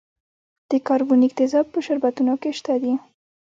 د کاربونیک تیزاب په شربتونو کې شته دی.